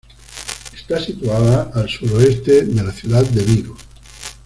Está situada al suroeste de la ciudad de Vigo.